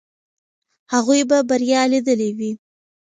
هغوی به بریا لیدلې وي.